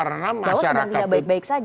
bahwa sebenarnya tidak baik baik saja